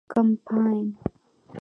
کمپاین